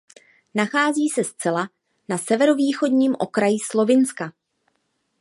Nachází se zcela na severovýchodním okraji Slovinska.